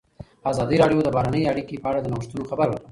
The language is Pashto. ازادي راډیو د بهرنۍ اړیکې په اړه د نوښتونو خبر ورکړی.